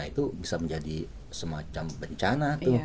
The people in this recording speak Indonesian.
itu bisa menjadi semacam bencana